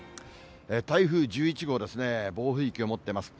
台風１１号ですね、暴風域を持ってます。